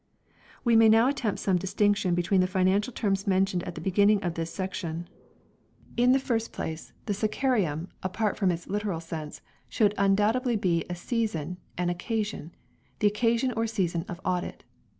1 We may now attempt some distinction between the Terminology, financial terms mentioned at the beginning of this section. In the first place the " Scaccarium," apart from its literal sense, should undoubtedly be a season, an occasion the occasion or season of Audit.